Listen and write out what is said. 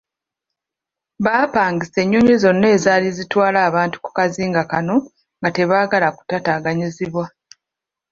Baapangisa ennyonyi zonna ezaali zitwala abantu ku kazinga kano nga tebaagala kutaataaganyizibwa.